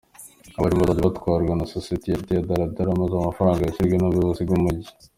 Abarimu bazajya batwarwa na Sosiyete ya ‘daladala maze amafaranga yishyurwe n’ubuyobozi bw’umujyi.